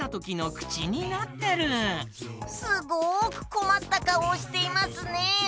すごくこまったかおをしていますね。